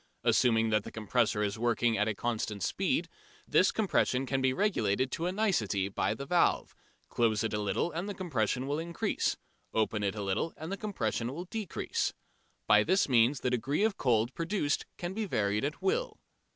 Assuming that the compressor is working at a constant speed, this compression can be regulated to a nicety by the valve: close it a little and the compression will increase: open it a little and the compression will decrease. By this means the degree of cold produced can be varied at will.